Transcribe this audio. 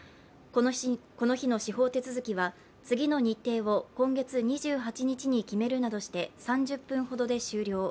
この日の司法手続きは次の日程を今月２８日に決めるなどして３０分ほどで終了。